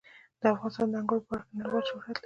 افغانستان د انګورو په برخه کې نړیوال شهرت لري.